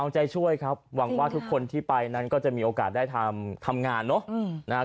เอาใจช่วยครับหวังว่าทุกคนที่ไปนั้นก็จะมีโอกาสได้ทำงานเนอะนะครับ